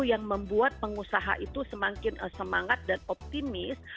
yang membuat pengusaha itu semakin semangat dan optimis